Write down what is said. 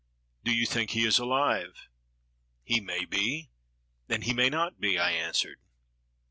"Do you think he is alive?" "He may be and he may not be!" I answered.